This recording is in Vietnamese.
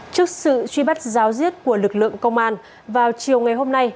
trước sự truy bắt giáo diết của lực lượng công an vào chiều ngày hôm nay